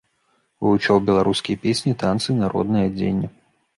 Вывучаў беларускія песні, танцы, народнае адзенне.